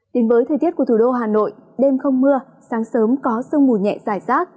đến với thời tiết của thủ đô hà nội đêm không mưa sáng sớm có sương mù nhẹ dài rác